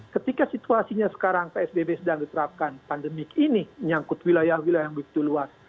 ketika situasinya sekarang psbb sedang diterapkan pandemik ini nyangkut wilayah wilayah yang begitu luas